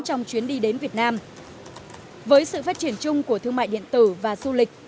trong chuyến đi đến việt nam với sự phát triển chung của thương mại điện tử và du lịch